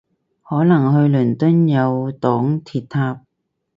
可能去倫敦有黨鐵搭